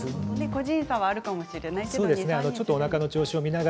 個人差はあるかもしれませんが。